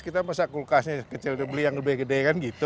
kita masa kulkasnya kecil beli yang lebih gede kan gitu